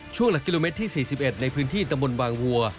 ช่วงหลักกิโลเมตรที่๔๑ในพื้นที่ตำบลบางวัว